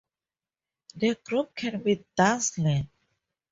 The group can be dazzling.